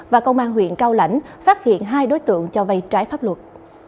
và công an huyện cao lãnh phát hiện hai đối tượng cho vay trái pháp luật